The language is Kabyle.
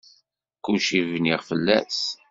Kulci bniɣ fell-as.